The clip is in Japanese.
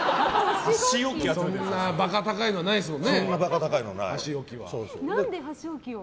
そんな馬鹿高いのはないですもんね。